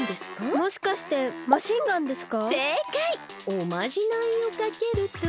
おまじないをかけると。